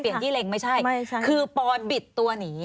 ยี่เล็งไม่ใช่คือปอนบิดตัวหนี